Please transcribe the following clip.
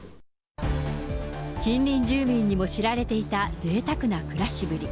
近隣住民にも知られていたぜいたくな暮らしぶり。